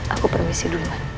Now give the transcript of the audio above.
aku permisi duluan